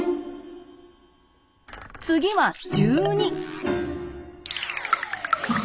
次は１２。